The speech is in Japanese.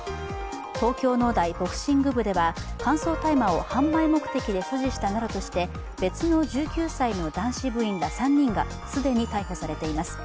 東京農大ボクシング部では乾燥大麻を販売目的で所持したなどとして別の１９歳の男子部員ら３人が既に逮捕されています。